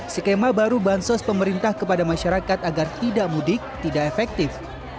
skema baru bansos pemerintah kepada masyarakat agar tidak mudik tidak efektif